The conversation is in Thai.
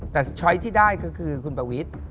แต่ช้อยที่ได้ก็คือคุณประวิทย์